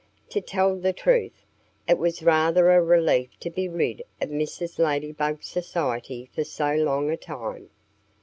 To tell the truth, it was rather a relief to be rid of Mrs. Ladybug's society for so long a time.